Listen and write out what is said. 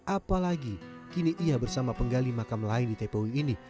apalagi kini ia bersama penggali makam lain di tpu ini